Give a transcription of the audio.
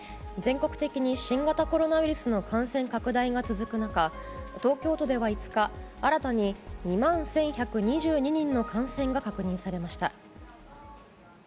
全国的に新型コロナウイルスの感染拡大が続く中東京都では５日、新たに２万１１２２人の感染が確認されました。